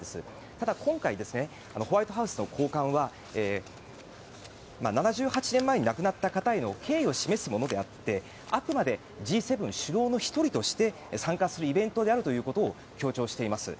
ただ今回ホワイトハウスの高官は７８年前に亡くなった方への敬意を示すものであってあくまでＧ７首脳の１人として参加するイベントであるということを強調しています。